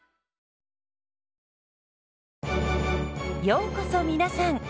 ようこそ皆さん。